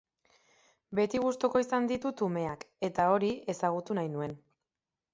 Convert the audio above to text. Beti gustuko izan ditut umeak eta hori ezagutu nahi nuen.